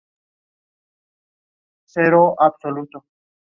Como niño, Cole quiso trabajar en los barcos como su padre.